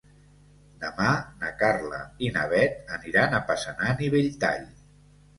Demà na Carla i na Bet aniran a Passanant i Belltall.